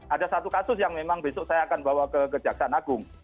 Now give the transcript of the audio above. ada satu kasus yang memang besok saya akan bawa ke kejaksaan agung